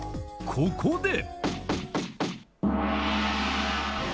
ここで。